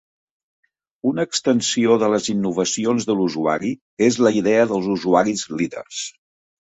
Una extensió de les innovacions de l'usuari és la idea dels usuaris líders.